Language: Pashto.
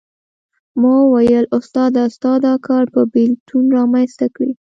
ما وویل استاده ستا دا کار به بېلتون رامېنځته کړي.